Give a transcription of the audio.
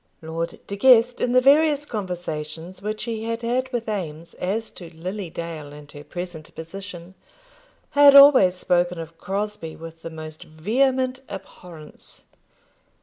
Lord De Guest, in the various conversations which he had had with Eames as to Lily Dale and her present position, had always spoken of Crosbie with the most vehement abhorrence.